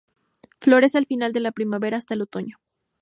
Florece al final de la primavera hasta el otoño.